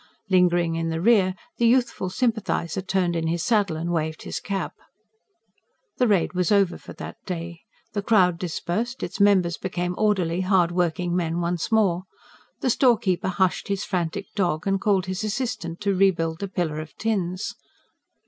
Lingering in the rear, the youthful sympathiser turned in his saddle and waved his cap. The raid was over for that day. The crowd dispersed; its members became orderly, hard working men once more. The storekeeper hushed his frantic dog, and called his assistant to rebuild the pillar of tins.